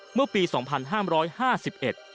เมื่อปีสองพันห้ามร้อยห้าสิบเอ็ด